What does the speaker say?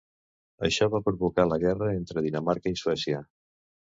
Això va provocar la guerra entre Dinamarca i Suècia.